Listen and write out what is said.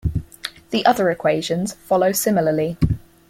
The other equations follow similarly.